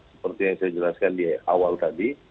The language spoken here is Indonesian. seperti yang saya jelaskan di awal tadi